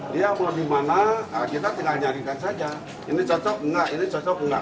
dia mau dimana kita tinggal nyarikan saja ini cocok enggak ini cocok enggak